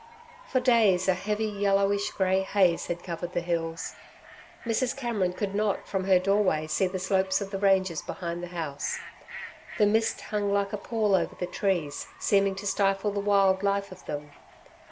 For days a heavy, yellowish grey haze had covered the hills. Mrs. Cameron could not from her doorway see the slopes of the ranges behind the house. The mist hung like a pall over the trees, seeming to stifle the wild life of them.